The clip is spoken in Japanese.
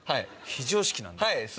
非常識なんです。